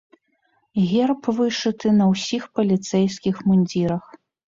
Герб вышыты на ўсіх паліцэйскіх мундзірах.